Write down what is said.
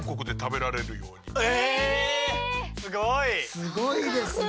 すごいですね。